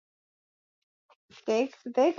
Ayuzuie machozi, walilia jambo gani